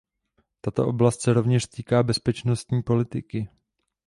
Tato oblast se rovněž týká bezpečnostní politiky.